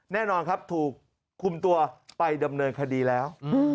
แน่นอนครับถูกคุมตัวไปดำเนินคดีแล้ว